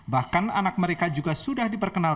bahkan anak mereka juga sudah diperkenalkan